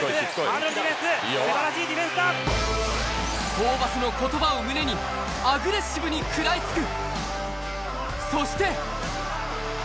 ホーバスの言葉を胸にアグレッシブに食らいつく。